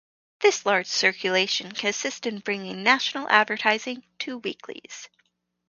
This larger circulation can assist in bringing in national advertising to weeklies.